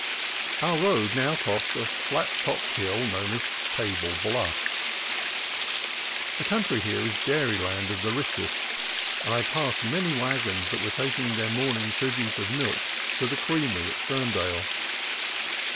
Our road now crossed a flat topped hill known as Table Bluff. The country here is dairy land of the richest, and I passed many wagons that were taking their morning tribute of milk to the creamery at Ferndale.